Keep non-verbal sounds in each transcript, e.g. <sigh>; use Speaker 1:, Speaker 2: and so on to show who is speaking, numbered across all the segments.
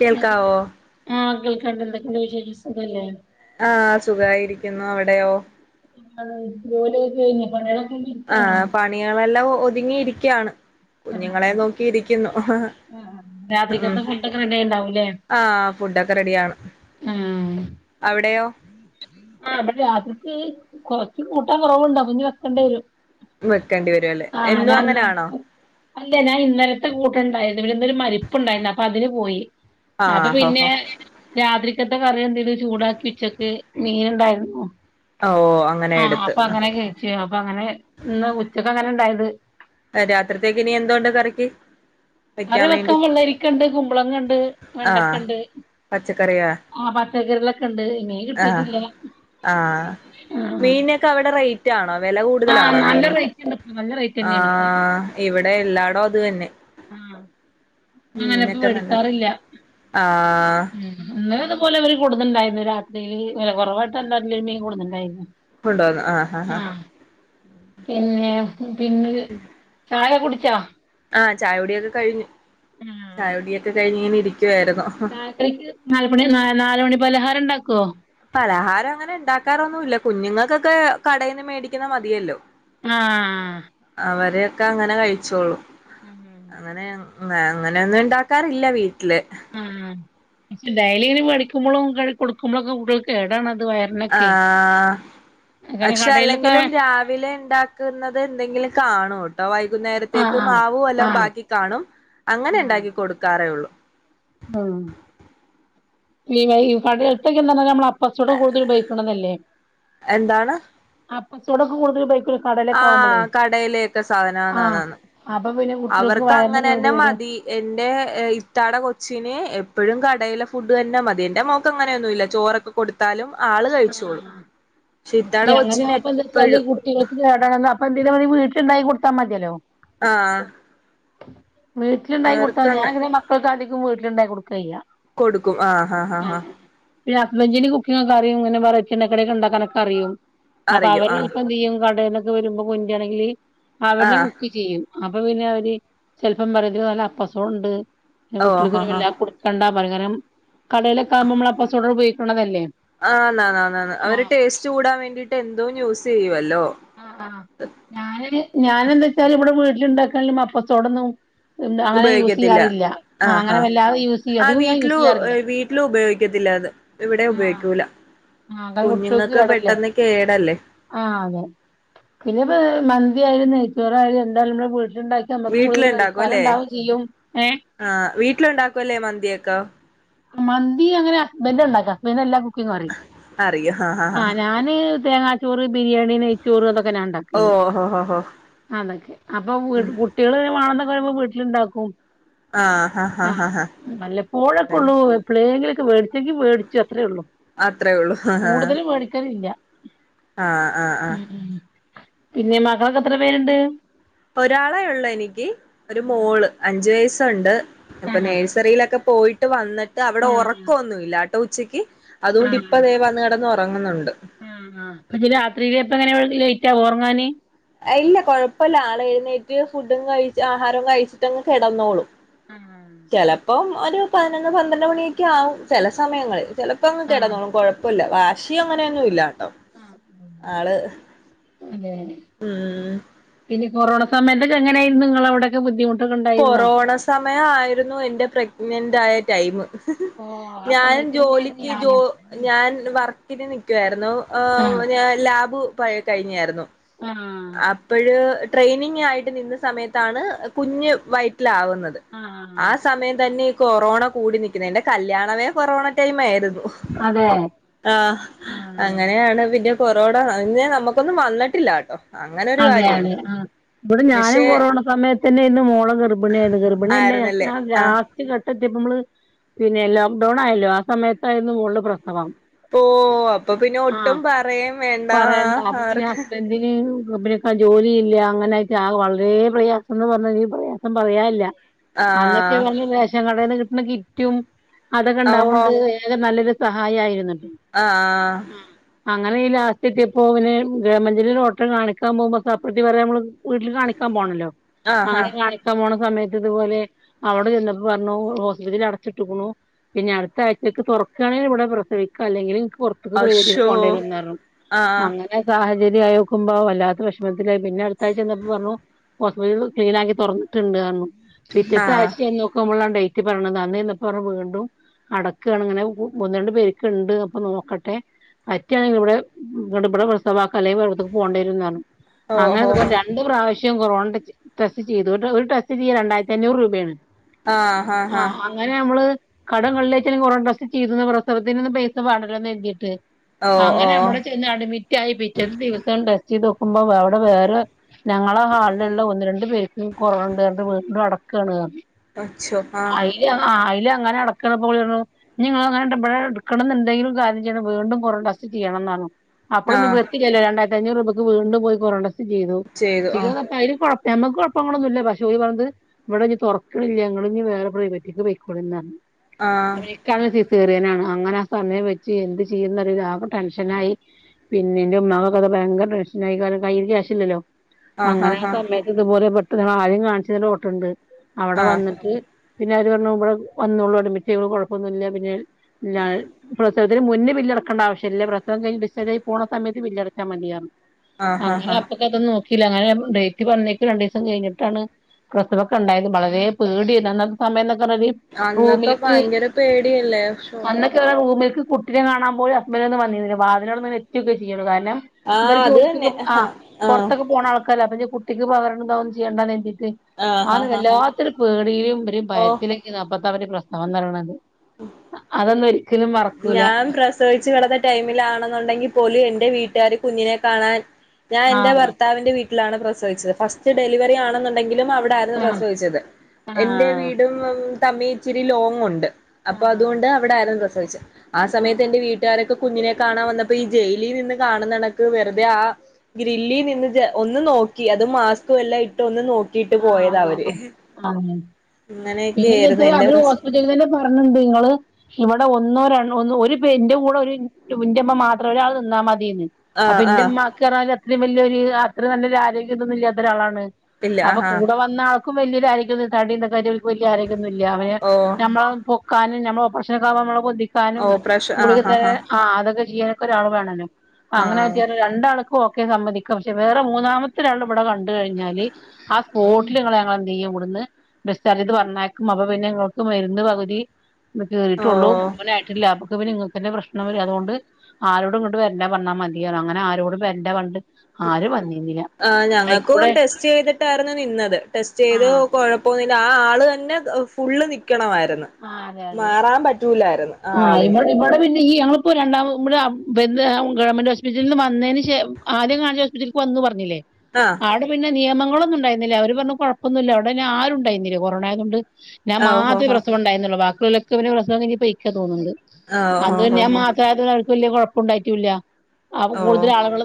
Speaker 1: കേൾക്കാവോ
Speaker 2: ആഹ കേൾക്കാണ്ട് എന്തൊക്കെയുണ്ട് വിശേഷം സുഖല്ലേ
Speaker 1: ആഹ സുഖയിരിക്കുന്നു അവിടെയോ
Speaker 2: ആഹ് ജോലി കഴിഞ്ഞോ പണികൾ
Speaker 1: ആഹ പണികളെല്ലാം ഒതുങ്ങിയിരിക്കയാണ് കുഞ്ഞുങ്ങളെ
Speaker 2: ആഹ്
Speaker 1: നോക്കിയിരിക്കുന്നു
Speaker 2: ആഹ്
Speaker 1: ഉം
Speaker 2: രാത്രിക്കത്തെ ഫുഡൊക്കെ റെഡി ആയിണ്ടാവൂല്ലേ
Speaker 1: ആഹ് ഫുഡൊക്കെ റെഡിയാണ്
Speaker 2: ഉം
Speaker 1: അവിടെയോ
Speaker 2: ആഹ് ഇവിടെ രാത്രിക്ക് കൊറച്ച കൂട്ടാൻ കുറവുണ്ട് അപ്പൊ ഞ്ഞ് വെക്കേണ്ടി വരും
Speaker 1: വെക്കേണ്ടി വരുല്ലേ
Speaker 2: ആഹ്
Speaker 1: എന്നും
Speaker 2: ഞാൻ
Speaker 1: അങ്ങനൊണോ
Speaker 2: ഇന്നാലത്തെ അല്ല ഞാൻ ഇന്നലത്തെ കൂട്ടുണ്ടായിരുന്നു ഇവിടെ ഇന്നൊരു മരിപ്പുണ്ടായിരുന്നു അപ്പൊ അതിന് പോയി അപ്പൊ
Speaker 1: ആഹ് ഹോ
Speaker 2: പിന്നെ
Speaker 1: ഹോ
Speaker 2: രാത്രിക്കത്തെ കറി എന്തിലും ചൂടാക്കി ഉച്ചക്ക് മീൻണ്ടായിരുന്നു
Speaker 1: ഓ അങ്ങനെ
Speaker 2: ആഹ
Speaker 1: എടുത്ത്
Speaker 2: അപ്പൊ അങ്ങനെയക്ക ശ്യോ അപ്പൊ അങ്ങനെ ഇന്ന് ഉച്ചക്കെ അങ്ങനെ ഉണ്ടായത്
Speaker 1: രാത്രിത്തേക്ക് ഇനി എന്തോണ്ട് കറക്കി
Speaker 2: കറി വെക്കാൻ വെള്ളരിക്കണ്ട് കുമ്പളങ്ങണ്ട്
Speaker 1: ആഹ്
Speaker 2: വെണ്ടക്കുണ്ട്
Speaker 1: പച്ചക്കറിയാ
Speaker 2: ആഹ് പച്ചക്കറളൊക്കെ ഉണ്ട് ഇനി
Speaker 1: ആഹ ആഹ
Speaker 2: ആഹ്
Speaker 1: മീനൊക്കെ അവിടെ റേറ്റ് തറ്റാണോ വില
Speaker 2: ആഹ്
Speaker 1: കൂടുതലാണോ
Speaker 2: നല്ല
Speaker 1: മീന്
Speaker 2: റേറ്റ് ഉണ്ട് ഇപ്പൊ നല്ല റേറ്റ്
Speaker 1: ആ
Speaker 2: തന്നെയാണ് ഇപ്പൊ
Speaker 1: ഇവിടെ എല്ലായിടോ അത് തന്നെ
Speaker 2: ആഹ് അങ്ങനെപ്പോ
Speaker 1: മീനൊക്കെ നല്ലത്
Speaker 2: പേടിക്കാറില്ല
Speaker 1: ആഹ്
Speaker 2: ഉം അന്നേ അതുപലെ അവര് കൂടുന്നുണ്ടായിരുന്നു രാത്രി വില കുറവായിട്ട് എല്ലമ കൂടുന്നുണ്ടായിരുന്നു
Speaker 1: കൊണ്ടോന്ന ആഹ ആഹ ആഹ്
Speaker 2: പിന്നെ പിന്നെ ചായെ കുടിച്ചാ
Speaker 1: ആഹ് ചായോടിയൊക്കെ കഴിഞ്ഞു
Speaker 2: ആഹ്
Speaker 1: ചായൊടിയൊക്കെ കഴിഞ്ഞ ഇങ്ങനെ ഇരിക്കുവായിരുന്ന
Speaker 2: രാത്രിക്ക് നാല് മണി നാലുമണി പലഹാരം ഉണ്ടാക്കുവോ
Speaker 1: പലഹാരം അങ്ങനെ ഉണ്ടാക്കാറൊന്നുമല്ല കുഞ്ഞുങ്ങൾക്കൊക്കെ കടയിൽന്ന് മേടിക്കുന്ന മതിയല്ലോ
Speaker 2: ആഹ്
Speaker 1: അവരൊക്കെ അങ്ങനെ കഴിച്ചോളൂ അങ്ങനെ ആഹ് അങ്ങനെ ഒന്നും ഉണ്ടാക്കാറില്ല വീട്ടില്
Speaker 2: ആഹ് പക്ഷെ ഡയലി ഇങ്ങനെ മെഡിക്കുമ്പോഴും കഴി കൊടുക്കുമ്പോക്കെ കൂട്ടികൾ കേടാണ്ണത് വയ
Speaker 1: ആഹ് പക്ഷെ
Speaker 2: കടയിലൊക്കെ
Speaker 1: അല്ലെങ്കിലും രാവിലെ ഉണ്ടാക്കുന്നത് എന്തെങ്കിലും കാണൂട്ടോ വൈകുന്നേരത്തി
Speaker 2: ആഹ്
Speaker 1: ത്തേക്ക്
Speaker 2: ആഹ്
Speaker 1: മാവ് വല്ലോം
Speaker 2: ആഹ്
Speaker 1: ബാക്കി കാണും അങ്ങനെ ഉണ്ടാക്കി കൊടുക്കാറേ ഉള്ളൂ
Speaker 2: ആഹ് <inaudible> പി വ പകലത്തേക്ക് തന്നെ നമ്മൾ അപ്പസോടെ കൂടുതൽ ഉപയോഗിക്കുന്നതല്ലേ
Speaker 1: എന്താണ്
Speaker 2: അപ്പൊസോടെ കൂടുതൽ ഉപയോഗി
Speaker 1: ആഹ കടയിലൊക്കെ സാധനമാന്നണന്ന്
Speaker 2: അപ്പം പിന്ന
Speaker 1: അവർക്ക് അങ്ങനെ തന്നെ മതി എന്റെ ഇത്താടെ കൊച്ചിന് എപ്പോഴും കടയിലെ ഫുഡ് തന്നെ മതി എന്റെ മ അങ്ങനെയൊന്നുമല്ല ചോറൊക്കെ കൊടുത്ത് ത്താലും ആള് കഴിച്ചോളൂ
Speaker 2: ആഹ്
Speaker 1: ഇത്തടെ കൊച്ചന് എപ്പോഴും
Speaker 2: കേട അപ്പ എന്തി മതി വീട്ടുണ്ടായി കൊടുത്താ മതിയല്ലോ
Speaker 1: ആഹ്
Speaker 2: വീട്ടിലുണ്ടാക്കി കൊടുത്ത ഞാന
Speaker 1: അവർക്കങ്ങ
Speaker 2: എങ്ങന മക്കൾക്കധികവും വീട്ടിലുണ്ടാക്കി കൊടുക്കയ്യ
Speaker 1: കൊടുക്കും ആഹ് ആഹ്
Speaker 2: പിന്നെ ഹസ്ബൻഡറിന്റെ കുക്കിങ്ങക്കെ അറിയും ഇങ്ങനെ പറെക്കടക്കെണ്ടാക്കാനൊക്കെ അറിയും അപ്പൊ
Speaker 1: അറിയും
Speaker 2: അവരെ
Speaker 1: ആഹ്
Speaker 2: എപ്പം എന്തുചെയ്യും കടന്നൊക്കെ വരുമ്പോ കുഞാനെകില് അവരുന
Speaker 1: ആഹ്
Speaker 2: കുക്കിങ് ചെയ്യും അപ്പൊ പിന്നെ അവര് ചെലപ്പം പറയ നല്ല അപ്പസം ഉണ്ട് പിന്നെ
Speaker 1: ഓഹ്
Speaker 2: കുട്ടികൾക്കും
Speaker 1: ആഹ്
Speaker 2: എല്ല കണ്ടാ പറ കാരണം കടയിലൊക്കെകുമ്പോനമ്മൾ അപ്പസോഡാ ഉപയോഗിക്കണതല്ലേ
Speaker 1: ആന്ന് ആന്നു ആന്ന് അവര്
Speaker 2: ആഹ്
Speaker 1: ടേസ്റ്റ് കൂടാൻ വേണ്ടിട്ട് എന്തോ യൂസ് ചെയ്യുവല്ലോ
Speaker 2: ആ ഹ് ആഹ് ഞാന് ഞാന എന്താ വെച്ചാല് ഇവിടെ വീട്ടിലിണ്ടാക്കണും അപ്പസോടന്നും
Speaker 1: ഉപയോഗിക്കത്തില്ല
Speaker 2: ആഹ്
Speaker 1: ആഹ
Speaker 2: അങ്ങനെ വല്ലാതെ യൂസ് ചെയ്യ
Speaker 1: ആ ഹ്
Speaker 2: അധികം ഞാൻ യൂസ്
Speaker 1: വീട്ടിലും
Speaker 2: ചെയ്യാറില്ല
Speaker 1: വീട്ടിലും ഉപയോഗിക്കത്തില്ല അത് ഇവിടെ
Speaker 2: ആഹ്
Speaker 1: ഉപയോഗിക്കൂല
Speaker 2: ആഹ് അതാണ് കുട്ടികൾക്ക്
Speaker 1: കുഞ്ഞുങ്ങൾക്ക്
Speaker 2: കേടല്ലേ
Speaker 1: പെട്ടെന്ന് കേടല്ലേ
Speaker 2: ആഹ് അതെ പിന്നെ ഇപ്പ മന്തി ആയാ ലും നെയ്ച്ചോറ ആയാലും എന്താലും നമ്മടെ വീട്ടിലുണ്ടാക്കി നമ്മുക്ക് കൂടുതൽ
Speaker 1: വീട്ടിലുണ്ടാക്കും അല്ലേ
Speaker 2: കഴിക്കാറുണ്ടാവും ചെയ്യും ഏഹ്
Speaker 1: ആഹ് വീട്ടിലുണ്ടാക്കുവല്ലേ മന്തിയൊക്കെ
Speaker 2: മന്തി അങ്ങനെ ഹസ്ബൻന്റ് ഉണ്ടാക്കും ഹസ്ബൻറ് എല്ലാം കുക്കിങ്ങ് അറിയും
Speaker 1: ആറിയോ ആഹ് അഹ്
Speaker 2: ഇത് തേങ്ങ ചോറ് ബിരിയാണി. പിന്നെ നെയ്ച്ചോറ് അതൊക്കെ ഞാൻ
Speaker 1: ഓ
Speaker 2: ഉണ്ടാക്കേണ്
Speaker 1: ഹോ ഹോ ഹോ
Speaker 2: ആണ് ഒക്കെ അപ്പൊ
Speaker 1: ഉം
Speaker 2: വീട്. കുട്ടികൾ വേണെന്ന് പറയുമ്പോൾ വീട്ടിലുണ്ടാക്കും,
Speaker 1: ആഹ് ഹാ ഹാ ഹാ
Speaker 2: ആഹ്
Speaker 1: ഹാ
Speaker 2: വല്ലപ്പോഴും. ഇപ്പൊ എപ്പോഴെങ്കിലൊക്കെ മേടിച്ചെങ്കിൽ മേടിച്ചു അത്രേള്ളൂ,
Speaker 1: അത്രേ ഉള്ളൂ ആഹ്
Speaker 2: കൂടുതലും മേടിക്കാല് ഇല്ല.
Speaker 1: ആഹ് ആഹ് ആഹ്
Speaker 2: ഉം പിന്നെ മക്കളൊക്കെ എത്ര പേരുണ്ട്.
Speaker 1: ഒരാളെ ഉള്ളൂ എനിക്ക് ഒരു മോള് അഞ്ചു വയസുണ്ട്
Speaker 2: ആ
Speaker 1: അപ്പൊ
Speaker 2: ആ
Speaker 1: നേഴ്സറിയിലൊക്കെ. പോയിട്ട് വന്നു. ഇത്
Speaker 2: ആ
Speaker 1: അവിടെ ഉറക്കം ഒന്നും ഇല്ലാട്ടോ ഉച്ചയ്ക്ക്, അതുകൊണ്ട് ഇപ്പോ ദേ വന്ന് കിടന്ന് ഉറങ്ങുന്നുണ്ട്.
Speaker 2: ആഹ് ആഹ് ഇജ്ജ് രാത്രിയില് എപ്പോ എങ്ങനെ ലേറ്റ് ആവോ ഉറങ്ങാന്.
Speaker 1: ഇല്ല കുഴപ്പമില്ല ആള് എഴുന്നേറ്റ് ഫുഡും കഴിച്ചു ആഹാരം കഴിച്ചിട്ട് അങ്ങ് കിടന്നോളൂ.
Speaker 2: ആഹ്
Speaker 1: ചിലപ്പോ ഒരു പതിനൊന്ന് പന്ത്രണ്ട് മണിയൊക്കെ ആവും ചില സമയങ്ങളിൽ, ചിലപ്പോ അങ്ങ് കിടന്നോളും കു ഴപ്പമില്ല വാശി അങ്ങനെയൊന്നും ഇല്ലാട്ടോ.
Speaker 2: ആഹ്
Speaker 1: ആള്
Speaker 2: അതെ.
Speaker 1: ഉം
Speaker 2: പിന്നെ കൊറോണ സമയത്ത് ഒക്കെ എങ്ങനെ ആയിരുന്നു നിങ്ങള് അവിടെ. ബുദ്ധിമുട്ടുണ്ടായി.
Speaker 1: കൊറോണ സമയം ആയിരുന്നു എന്റെ പ്രെഗ്നന്റ് ആയ ടൈം.
Speaker 2: ഓഹ് ആ
Speaker 1: ഞാനും
Speaker 2: സമയത്ത് തന്നെയായിരുന്നു
Speaker 1: ജോലിക്ക് ജോ
Speaker 2: ഞാനും
Speaker 1: ഞാൻ വർക്കിന് നിൽക്കുവായിരുന്നു ഏഹ്
Speaker 2: ആഹ്
Speaker 1: ഞാൻ ലാബ് പോയി കഴിഞ്ഞായിരുന്നു.
Speaker 2: ആഹ്
Speaker 1: അപ്പോഴ് ട്രെയിനിങ് ആയിട്ട് നിന്ന് സമയത്താണ് കുഞ്ഞ് വയറ്റില് ആകുന്നത്. ആഹ് സമയം തന്നെ കൊറോണ കൂടി നിൽക്കുന്നതിന്റെ എന്റെ കല്യാണമേ കൊറോണ ടൈം ആയിരുന്നു.
Speaker 2: അതെ
Speaker 1: ആഹ്
Speaker 2: ആഹ്
Speaker 1: അങ്ങനെയാണ് പിന്നെ. കൊറോണ പിന്നെ നമുക്കൊന്നും വന്നിട്ടില്ല കേട്ടോ. അങ്ങനെ ഒരു
Speaker 2: അതെ അതെ
Speaker 1: കാര്യമുണ്ട്
Speaker 2: ആഹ്. ഇവിടെ ഞാനും
Speaker 1: പക്ഷെ
Speaker 2: കൊറോണ സമയത്ത് തന്നെ ഇന്ന് മോളെ ഗർഭിണിയായിരുന്നു ഗർഭിണി അല്ലേ ഞാൻ,
Speaker 1: ആയിരുന്നല്ലേ
Speaker 2: ഞാൻ രാ
Speaker 1: ആഹ്
Speaker 2: ഒരു ഘട്ടം എത്തിയപ്പോൾ നമ്മള് പിന്നെ ലോക്ക് ഡൌൺ ആയല്ലോ, ആഹ് സമയത്തായിരുന്നു മോള് പ്രസവം.
Speaker 1: ഓഹ് അപ്പൊ പിന്നെ ഒട്ടും
Speaker 2: ആഹ്
Speaker 1: പറയാൻ വേണ്ട ആഹ് ആർക്ക്.
Speaker 2: അതിന് എന്നാ പിന്നെ ജോലിയില്ല അങ്ങനെ ആയിട്ട് ആഹ് വളരെ പ്രയാസം എന്നുപറഞ്ഞാൽ ഈ പ്രയാസം പറയാനില്ല. അന്നൊക്കെ
Speaker 1: ആഹ്
Speaker 2: പറഞ്ഞു റേഷൻ കടേന്ന് കിട്ടണം കിറ്റും അതൊക്കെ
Speaker 1: ഓഹോ
Speaker 2: ഇണ്ടാവുകൊണ്ട്. അത് നല്ലൊരു സഹായമായിരുന്ന കേട്ടോ.
Speaker 1: ആഹ്
Speaker 2: അങ്ങനെ ഈ ലാസ്റ്റ് എത്തിയെപ്പോ പിന്നെ ഗവൺമെന്റിലെ ഡോക്ടറെ കാണി ക്കാൻ പോവുമ്പോ സപ്രൈറ്റ് വേറെ നമ്മള് വീട്ടില് കാണിക്കാൻ പോണല്ലോ
Speaker 1: ആഹാ
Speaker 2: അങ്ങനെ കാണി ക്കാൻ പോണ് സമയത്ത് ഇതുപോലെ അവിടെ ചെന്നപ്പോ പറഞ്ഞു ഹോസ്പിറ്റലിൽ അടച്ച് ഇട്ടേക്കേണ്. പിന്നെ അടുത്ത ആഴ്ചയ്ക്ക് തൊറക്ക് ആണേൽ ഇവിടെ പ്രസവിക്കാ അല്ലെങ്കിലേ പുറ ത്തിക്ക് പ്രൈവറ്റിക്ക്
Speaker 1: അശ്ശോ
Speaker 2: പോണ്ടേ വരുമെന്ന് പറഞ്ഞു,
Speaker 1: ആഹ്
Speaker 2: അങ്ങനെ സാഹചര്യം ആയോക്കുമ്പോ വല്ലാത്ത. ഒക്കെ വിഷമത്തിലായി പിന്നെ അടുത്താഴ്ച്ച ചെന്നപ്പോ പറഞ്ഞു ഹോസ്പിറ്റലുകൾ ക്ലീൻ ആക്കി തോറന്നിട്ടുണ്ട് പറഞ്ഞു. പിറ്റത്തെ
Speaker 1: ആഹ്
Speaker 2: ആഴ്ച ചെന്ന് നോക്കുമ്പോളാണ് ഡേയ്റ്റ് പറഞ്ഞത്, അന്ന് ചെന്നപ്പോ വീണ്ടും. അടക്കാണ് ഇങ്ങനെ ഒന്ന് രണ്ട് പേർക്ക് ഇണ്ട് അപ്പൊ നോക്കട്ടെ. പറ്റിയാണെങ്കിൽ ഇവിടെ ഇവിടെ പ്രസവം ആക്കാം അല്ലെങ്കിൽ വേറൊരിടത്തേക്ക് പോകേണ്ടി വരുമെന്ന് പറഞ്ഞു. അങ്ങനെ
Speaker 1: ഓഹോ
Speaker 2: ഇതുപോലെ രണ്ട് പ്രാവശ്യം കൊറോണ ടെ ടെസ്റ്റ് ചെയ്തതുകൊണ്ട് ഒരു ടെസ്റ്റ് ചെയ്യാൻ രണ്ടായിരത്തി അഞ്ഞൂറ് രൂപയാണ്. ആഹ് ആഹ്. അങ്ങനെ നമ്മള് കടം കള്ള്യ യിട്ട് കൊറോണ ടെസ്റ്റ് ചെയ്തു ന്ന പ്രസവത്തിനൊന്നും പൈസ വേണ്ടല്ലോന്ന് കാര് തിട്ട്
Speaker 1: ഓ ഓ
Speaker 2: അങ്ങനെ അവടെ ചെന്ന് അഡ്മിറ്റ് ആയി പിറ്റത്തെ ദിവസം ടെസ്റ്റ് ചെയ്ത്ക്കുമ്പോ അവിടെ വേറെ ഞങ്ങളെ ഹാളിലുള്ള ഒന്ന് രണ്ട് പേർക് കോറണണ്ട് പറഞ്ഞിട്ട് വീണ്ടും അടക്കയാണ് റഞ്ഞു
Speaker 1: പക്ചോ ആഹ് <unintelligible>
Speaker 2: ആയില് അങ്ങന അടക്കണനറഞ്ഞപ്പോ ഓപറഞ്ഞു ഞ്ഞിങ്ങള അങ്ങനെ ഇവിടെ ഇടുക്കണം നണ്ട ങ്കിലും കാര്യം ചെയ്യണം വീണ്ടും കൊറെ ണ ടസ്റ്റ് ചിയ്യണംനറഞ്ഞു അപ്പളും
Speaker 1: ആഹ്
Speaker 2: നിവർത്തില്ലല്ലോ രണ്ടായിരത്തി അഞ്ഞൂറ് രൂപക്ക് വീണ്ടും പോയി കൊറണടെസ്റ്റ്‌ ചെയ്തു ചെയ്തപ്പോ അയില് കോഴ ഞങ്ങക്ക് കുഴപ്പങ്ങളൊന്നൂല്ല പക്ഷേ ഓല് പറഞ്ഞത് ഇവടെഞ്ഞി തുറക്കണില്ല ഇങ്ങള് ഞ്ഞി വേറെ പ്രൈവറ്റേക്ക് പോയിക്കോലിന റഞ്ഞു അവര് ഇക്കാണെങ്കി സിസേറിയാനാണ് അങ്ങനെ ആ സമയം വെച്ച് എന്ത് ചെയ്ന്നറീലാ ആകെ ടെൻഷനായി പിന്നെന്റെ ഉമമാക്കൊക്കെ അത് ഭയങ്കര ടെൻഷനായി കാരണം കയ്ല് കാശില്ലല്ലോ
Speaker 1: ആഹ്
Speaker 2: അങ്ങനെ ആ
Speaker 1: ആഹ്
Speaker 2: സമയത്ത് ഇതുപോലെ പെട്ട് ഞങ്ങള് ആദ്യം കാണിച്ചന്ന ഡോക്ടറ്ണ്ട്അവിടെ
Speaker 1: ആഹ്
Speaker 2: വന്നിട്ട് പിന്നെ അവര് പറഞ്ഞു ഇവിടെവന്നള്ളൂ അഡ്മിറ്റീതോളു കുഴപ്പൊന്നുല്ല പിന്നെ പ്രസവത്തിന് മു ന്നേിബി ല്ലടക്കേണ്ട ആവശ്യല്ല പ്രസവം കഴിഞ് ഡിസ്ചാർജായി പോണ സമയത്ത് ബില്ലടച്ചാ മതിപറഞ്ഞു
Speaker 1: ആഹ് ആഹ്
Speaker 2: അങ്ങനെ
Speaker 1: ആഹ്
Speaker 2: അപ്പൊക്ക അതും നോക്കിയില്ല അങ്ങനെ ഡേറ്റ് പറഞ്ഞ രണ്ടു സം കഴിഞ്ഞിട്ടാണ് പ്രസവൊക്കെ ഇണ്ടായത് വളരെ പേടി അന്നത്തെ സമയം എന്നക്കെ പറഞാല്
Speaker 1: അന്നൊക്കെ ഭയങ്കര പേടിയല്ലേ
Speaker 2: പ്രസവിച്ച കിടന്ന റൂമിക്ക് കൂട്ടിനെ കാണാൻ പോലും ഹസ്ബൻ്റ് വന്നിരുന്നില്ല വാതി ൽതുറന്ന് എത്തി നോക്കയിരുന്നു ചെയ്തിരുന്നത് കാരണം
Speaker 1: ആഹ്
Speaker 2: ഇവര്
Speaker 1: അത്
Speaker 2: ജോലിക്കൊക്കെ
Speaker 1: തന്നെ
Speaker 2: ആഹ്
Speaker 1: ആഹ്
Speaker 2: പോറത്തൊക്കെ പോണെ ആൾക്കാരല്ലെ അപ്പഞ്ഞി കുട്ട് ട്ടിക്ക് പകരണ്ടാ ന്ന്ചെയ്യേണ്ടന്ന് കര്തീട്ട്
Speaker 1: ആഹ്
Speaker 2: ആള്
Speaker 1: ആഹ് ആഹ്
Speaker 2: വല്ലാത്തൊരു പേടിയിലും ഒരു
Speaker 1: ഓഹ്
Speaker 2: ഭയത്തിലും <unintelligible> പ്രസവംന്നറിയണത് അതൊന്നരി
Speaker 1: ഞാൻ പ്രസവിച്ചു കടന്ന ടൈമിലാണെന്നുണ്ടെങ്കിൽ പോലും എന്റെ വീട്ടുകാര് കുഞ്ഞിനെ കാണാൻ ഞാൻ എന്റെ
Speaker 2: ആഹ്
Speaker 1: ഭർത്താവിന്റെ വീട്ടിലാണ് പ്രസവിച്ചത് ഫസ്റ്റ് ഡെലിവറി ആണെന്നുണ്ടെിലും അവിടെ ടായിരുന്നു
Speaker 2: ആഹ്
Speaker 1: പ്രസവിച്ചത് എന്റെ
Speaker 2: ആഹ്
Speaker 1: വീടും തമ്മി ഇച്ചിരി ലോങ്ങ് ഉണ്ട് അപ്പൊ
Speaker 2: ആഹ്
Speaker 1: അതുകൊണ്ട് അവിടെ ആരുന്നു പ്രസവിച്ചത് ആ സമയത്ത്
Speaker 2: ആഹ്
Speaker 1: എന്റെ വീട്ടുകാരൊക്കെ കുഞ്ഞിനെ കാണാൻ വന്ന അപ്പൊ ഈ ജയിലിൽ നിന്ന് കാണുന്നണക്ക് വെറുതെ ആ ഗ്രില്ലി നിന്ന് ജ ഒന്ന് നോക്കി അത് മാസ്കും എല്ലാം ഇട്ട് ഒന്ന് നോക്കി
Speaker 2: ആഹ് അതെ അതെ ആതെ
Speaker 1: അങ്ങനെയൊക്കെ
Speaker 2: പിന്നെന്ന്
Speaker 1: ആയിരുന്നു
Speaker 2: വെച്ചാല്
Speaker 1: എന്റെ
Speaker 2: അവര്
Speaker 1: പ്രശ്
Speaker 2: ഹോസ്പിറ്റലി ന്നന്നെ പറഞ്ണ്ട് നിങ്ങള് ഇവിടെ ഒന്നോ രണ്ട് ഒരു ഇന്റെ കൂടെ ഒരു ന്റമ്മ മാത്രംഒരാൾ നിന്നാ മതിന്ന് അപ്പൊ
Speaker 1: ആഹ്
Speaker 2: ഇന്റെ
Speaker 1: ആഹ്
Speaker 2: ഇമ്മാക്ക് റഞ്ഞാല് അത്രയും വലിയൊരു അത്രയും നല്ലൊരു ആരോഗ്യന്നും ഇല്ലാത്ത ഒരാളാണ്
Speaker 1: ഇല്ല
Speaker 2: അപ്പൊ
Speaker 1: ആഹാ
Speaker 2: കൂടെ വന്ന ആൾക്കും വലിയൊരു ആരോഗ്യ ന്ന തടീന്റെ കാര്യകൾക്ക് വല്യ ആരോഗ്യ ന്നുല്ല അവെ ഞാ
Speaker 1: ഓഹ്
Speaker 2: ഞമ്മളണ് പോ ക്കാനും നമ്മൾ ഓപ്പറേഷനക്കാവുമ്പോ നമ്മെ പോ തിക്കാനും
Speaker 1: ഓപ്പറേഷൻ
Speaker 2: ഗുളിക
Speaker 1: ആഹ് ആഹ് ആഹ്
Speaker 2: തരാനും അതൊക്കെ ചെയ്യാ <unintelligible> ഒരാള് ആള് വേണല്ലോ അങ്ങനെ
Speaker 1: ആഹ്
Speaker 2: <unintelligible> രണ്ടാൾക്കും ഒക്കെ സമ്മതിക്കാം പക്ഷെ വേറെ മൂന്നാമത്തെ ഒരാൾ ഇവിടെ കണ്ട് കഴിഞ്ഞാല് ആഹ സ്പോട്ടിൽ നിങ്ങളെ ഞങ്ങൾ എന്തിയ്യും ഇവ്ട്ന്ന് ഡിസ്ചാർജ്ത് പറഞ്ഞോക്കും അപ്പ പിന്നെങ്ങക്ക് മരുന്ന് പകുതി ക
Speaker 1: ഓ
Speaker 2: കേറിയിട്ടുള്ളൂ മുഴുവനായിട്ട് ട്ടില്ല അപ്പ പിന്നെ ഇങ്ങക്കെന്നെ പ്രശ്നം വര അതുകൊണ്ട് ആരോടും ഇങ്ങട്ട് വരണ്ട പറഞ്ഞാ മതി അങ്ങനെ ആരോടും വെരണ്ട പറഞ്ഞിട്ട്. ആരും വന്നിരുന്നില്ല
Speaker 1: ആഹ
Speaker 2: അയിക്കൂടെ
Speaker 1: ഞങ്ങക്കും ടെസ്റ്റ് ചെയ്തിട്ടായിരുന്നു നിന്നത്
Speaker 2: ആ
Speaker 1: ടെസ്റ്റ്യ്യ്തു കുഴ പൊന്നുല്ല ആ ആൾ തന്നെ ഫുള്ള് നിക്കണമായിരുന്നു.
Speaker 2: ആഹ് അതെ അതെ
Speaker 1: മാറാൻ പറ്റൂലായിരുന്നു ആ
Speaker 2: ആഹ്
Speaker 1: ആളിന്.
Speaker 2: ഇവിടെ ഇവിടെ പിന്നെ ഈ ഞങ്ങളിപ്പോ രണ്ടാമത് ഇവിടെ ഗവൺമെന്റ് ഹോസ്പിറ്റലിന്ന് വന്നതിന് ശേ. ആദ്യം <unintelligible> വന്ന് പറഞ്ഞില്ലേ?
Speaker 1: ആഹ
Speaker 2: അവിടെ പിന്നെ നിയമങ്ങളൊന്നും ഉണ്ടായിരുന്നില്ല അവര് പറഞ്ഞു കൊഴപ്പൊന്നും ഇല്ല അവിടെ പിന്നെ ആരുണ്ടായിരുന്നില്ല കൊറോണ ആയത് കൊണ്ട്. ഞാൻ മാത്രമേ
Speaker 1: ഓഹോഹോ
Speaker 2: പ്രസവംണ്ടായിരുന്നൊള്ളൂ ബാക്കി ളോലൊക്കെ പ്രസവം കഴിഞ്ഞ് പൊയ്ക്കാ തോന്നുന്ണ്ട്
Speaker 1: ആഹ്
Speaker 2: അത് ഞാൻ.
Speaker 1: ഓഹോഹോ
Speaker 2: മാത്രം വല്യ കുഴപ്പണ്ടായിട്ടുല്ല അപ്പ
Speaker 1: ഓ
Speaker 2: കൂടുതൽ ആളുകൾ. അവിടൊ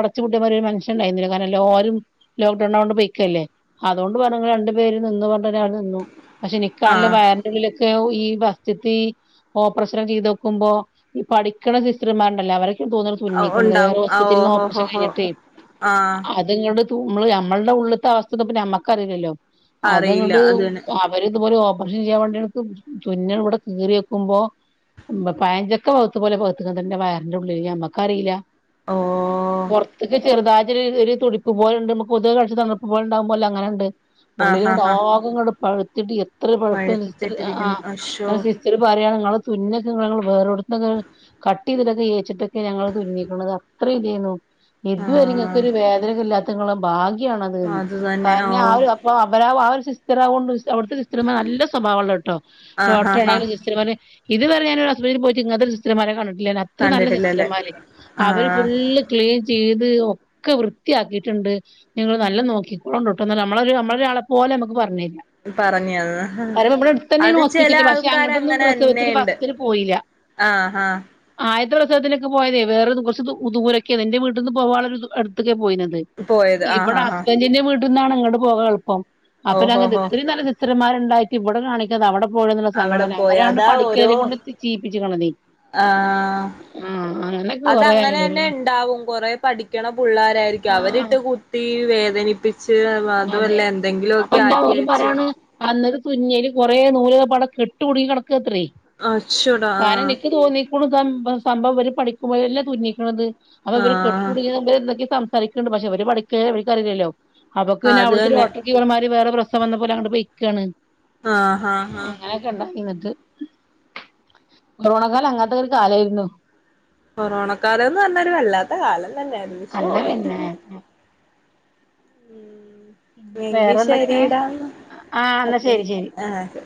Speaker 2: അടച്ചു പുട്ടിയമാരി ഒരു മനഷ്യനുണ്ടായില്ല കാരണം എല്ലാരും. ലോക്ക്ഡൌണാ യോണ്ട് പൊയിക്കല്ലേ അതുകൊണ്ട് നിങ്ങൾ രണ്ടു പേര് നിന്ന് പറ. പക്ഷെ നിക്കാണേൽ
Speaker 1: ആഹ്
Speaker 2: വയറിന്റുളിലൊക്കെ ഈ ഫസ്റ്റത്ത് ഈ ഓപ്രറേഷൻ ചെയ്ത് നോക്കുമ്പോ ഈ പഠിക്കുന്ന സിസ്റ്റർമാരുണ്ടലോ അവരെ. തോന്നു തുന്നിക്കുണു വേറെ
Speaker 1: ഉണ്ടാവും ആഹ്
Speaker 2: ഹോസ്പിറ്റലിൽ നിന്ന് ഓപ്പറേഷൻ
Speaker 1: ഓഹോഹോഹോ
Speaker 2: കഴിഞ്ഞിട്ടെ.
Speaker 1: ആഹ്
Speaker 2: <unintelligible> നമ്മുടെ ഉള്ളിത്തെ അവസ്ഥ ഇപ്പ നമ്മക്കറിയില്ലല്ലോ
Speaker 1: അറിയില്ല
Speaker 2: അതങ്ങട്ട്
Speaker 1: അത് തന്നെ
Speaker 2: അവരി ഇതുപോലെ ഓപ്പറേഷൻ ചെയ്യാൻ വേണ്ടിക്ക് തുന്നണ് ഇവിടെ കീറി നോക്കുമ്പോ. ഉ പയചക്ക പകുത്ത പോലെ പകുത്ത് ക്ണ് വയറിന്റെ ഉള്ളിൽ നമ്മക്കറില്ല.
Speaker 1: ഓ
Speaker 2: പൊറത്ത്ക്ക് ചെറുതായി ഒരു തുടിപ്പ് പോലണ്ട് മക്ക് കൊതു കഴിച്ച തണർപ്പ് പോലെ ഉണ്ടാവു പോലെ അങ്ങനെ ഉണ്ട്. ഉള്ളിൽ
Speaker 1: ആഹ്
Speaker 2: ങ്ങട്ട്
Speaker 1: ആഹ് ആഹ്
Speaker 2: ആകെ പഴുതിട്ട് എത്ര പഴുപ്പ്
Speaker 1: പഴുത്തിട്ടിരിക്കുന്നു അശോ
Speaker 2: <unintelligible> സിസ്റ്റർ പറയാണ് ങ്ങളെ തുന്നക്കങ്ങള് വേറെടുത്ത്ന്ന. കട്ട് ചെയ്തിട്ടൊക്കെ ഏച്ചിട്ടൊക്കെ ഞങ്ങൾ തുന്നിക് ണത് അത്ര ഇതേന്നു. ഇത്
Speaker 1: ആഹ്
Speaker 2: വരെങ്ങക്കൊരു വേദന ഇല്ലാത്തങ്ങളെ ഭാഗ്യണത്
Speaker 1: അത്
Speaker 2: <unintelligible>
Speaker 1: തന്നെ ഓ
Speaker 2: <unintelligible> അവിടുത്തെ സിസ്റ്റർ മാർ നല്ല സ്വഭാവം ട്ടോ
Speaker 1: ആഹ് ആഹ് ആഹ്
Speaker 2: ഡോക്ടറിമാരെ സിസ്റ്റർമാരിം ഇതുവരെ വരെ ഞാൻ ഒരു ഹോസ്പിറ്റലിൽ പോയിട്ട് ഇങ്ങനത്തെ സിസ്റ്റർമാരെ കണ്ടിട്ടില്ല. അത്ര നല്ല സിസ്റ്റർ
Speaker 1: കണ്ടിട്ടില്ലല്ലേ
Speaker 2: മാര് അവര്
Speaker 1: ആഹ്
Speaker 2: ഫുള്ള്. ക്ലീൻ ചെയ്ത് ഒക്കെ വൃത്തിയാക്കിട്ട്ണ്ട്. ഇഞ്ഞ്ങ്ങള് നല്ലോ നോക്കിക്കൊണ്ടിട്ടോന്ന് നമ്മളെ നമ്മളെ ഒരാളെ പോലെ നമക്ക് പറഞ്ഞെര.
Speaker 1: പറഞ്ഞ് തന്നു
Speaker 2: ഹോസ്പിറ്റല് പക്ഷെ അങ്ങോട്ടൊന്നും പ്രസവത്തിൽ ഫസ്റ്റ്ത്തിൽ പോയില്ല.
Speaker 1: ആഹ് ആഹ്
Speaker 2: ആദ്യത്തെ പ്രസവത്തിലൊക്കെ പോയത് വേറെ കുറച്ചു ദൂരെക്കെന്നു. ഇന്റെ വീട്ടിന്ന് പോവാൻ ഉള്ള ഒരു അടുത്തൊക്കെ പോയിന്യത്
Speaker 1: പോയത് ആഹ്
Speaker 2: ഇവിടെ
Speaker 1: ആഹ് ആഹ്
Speaker 2: ഹസ്ബൻഡിന്റെ വീട്. അവിടുന്നാണ് ഇങ്ങോട് പോകാൻ എളുപ്പം അപ്പ ഞാൻ കരുതി
Speaker 1: ഓഹോഹോ
Speaker 2: ഇത്രി നല്ല സിസ്റ്റർന്മാരുണ്ടായിട്ട് ഇവിടെ കാണികാതെ അവിടെ.
Speaker 1: അവിടെ
Speaker 2: <unintelligible>
Speaker 1: പോയി
Speaker 2: അവരാണ് <unintelligible>
Speaker 1: അതാ ഓരോ ആഹ്
Speaker 2: ആഹ് അങ്ങനെ
Speaker 1: അതങ്ങനെ തന്നെ ഉണ്ടാവും കൊറേ പഠിക്കണ പിള്ളാരായിരിക്കും
Speaker 2: ആഹ്
Speaker 1: അവരിട്ട്. ഇതി വേദനിപ്പിച്ച് അതുമല്ല
Speaker 2: അതെ
Speaker 1: എന്തെങ്കിലുമൊക്കെ ആക്കി വെച്ച്.
Speaker 2: വന്നത് തുന്നി അയിൽ കുറെ നൂൽ കെട്ട് കുടുങ്ങി കിട ത്ര
Speaker 1: അച്ചോടാ
Speaker 2: കാരണം നിക്ക്
Speaker 1: ആഹ്
Speaker 2: തോന്നി. <unintelligible> ക്കണ്ട്
Speaker 1: ആഹ്
Speaker 2: പക്ഷെ അവര് പഠിക്ക ഇവർക്കറിയില്ലോ അവക്ക് പിന്നെ
Speaker 1: അത്
Speaker 2: അവിടുത്തെ ഒരു
Speaker 1: തന്നെ
Speaker 2: ഹോട്ട സിസ്റ്റർമാര് വേറെ പ്രസവം വന്നപ്പോൾ ഓൽ അങ്ങട്ട് പൊയ്ക്കാണ്
Speaker 1: ആഹ് ആഹ് ആഹ്
Speaker 2: ണ്ട എന്നിട്ട് കൊറോണ കാലം അങ്ങനത്തെ ഒരു കാലായിരുന്നു.
Speaker 1: കൊറോണക്കാലം എന്ന് പറഞ്ഞ ഒരു വല്ലാതൊരു കാലം തന്നായിരുന്നു ശോ
Speaker 2: അല്ല പിന്നെ
Speaker 1: ഉ എങ്കി
Speaker 2: വേറെന്തൊക്കെ
Speaker 1: ശരിടാ
Speaker 2: ആഹ് എന്നാ ശരി ശരി
Speaker 1: ആഹ്